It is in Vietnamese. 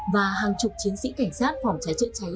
và hàng chục chiến sĩ cảnh sát phòng cháy chữa cháy